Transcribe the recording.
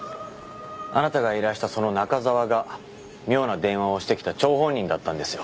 あなたが依頼したその中沢が妙な電話をしてきた張本人だったんですよ。